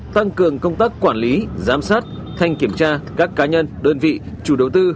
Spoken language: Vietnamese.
tăng cường công tác quản lý giám sát thanh kiểm tra các cá nhân đơn vị chủ đầu tư